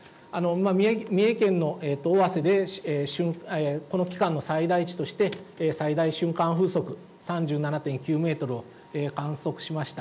三重県の尾鷲で、この期間の最大値として、最大瞬間風速３７．９メートルを観測しました。